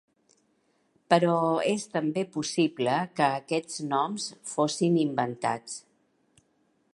Però és també possible que aquests noms fossin inventats.